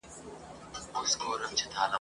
پر دې ښار باندي ماتم دی ساندي اوري له اسمانه !.